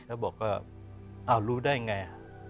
แล้วบอกว่าอ้าวรู้ได้ไง